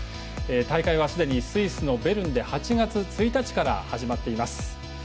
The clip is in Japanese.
大会は、すでにスイスのベルンで８月１日から始まっています。